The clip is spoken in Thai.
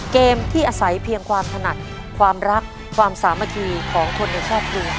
เกมที่อาศัยเพียงความถนัดความรักความสามัคคีของคนในครอบครัว